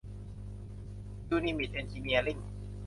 ยูนิมิต เอนจิเนียริ่ง